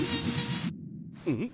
うん？